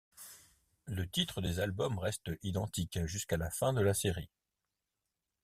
Le titre des albums reste identique jusqu'à la fin de la série.